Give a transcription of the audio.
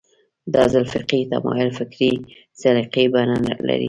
دا ځل فقهي تمایل فکري سلیقې بڼه لري